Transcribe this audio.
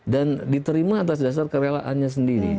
dan diterima atas dasar kewelaannya sendiri